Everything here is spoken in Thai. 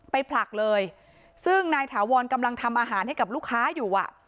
ผลักเลยซึ่งนายถาวรกำลังทำอาหารให้กับลูกค้าอยู่อ่ะ